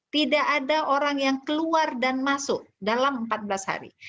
tidak ada orang yang keluar dan masuk dalam empat belas hari